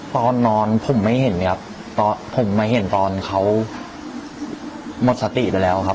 ตอนนอนผมไม่เห็นครับตอนผมมาเห็นตอนเขาหมดสติไปแล้วครับ